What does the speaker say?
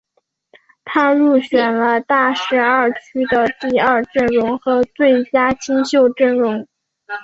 他入选了大十二区的第二阵容和最佳新秀阵容。